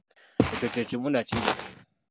Ekyo kye kimu na kiri.